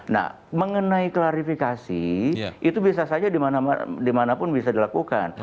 nah mengenai klarifikasi itu bisa saja dimanapun bisa dilakukan